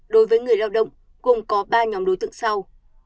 đối với người lao động gồm có ba nhóm đối tượng sau